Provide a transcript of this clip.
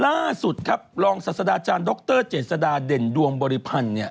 ล่าสุดครับรองศาสดาอาจารย์ดรเจษฎาเด่นดวงบริพันธ์เนี่ย